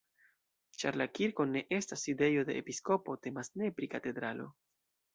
Ĉar la kirko ne estas sidejo de episkopo, temas ne pri katedralo.